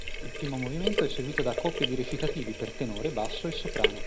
Il primo movimento è seguito da coppie di recitativi per tenore, basso e soprano.